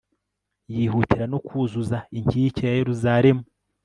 yihutira no kuzuza inkike ya yeruzalemu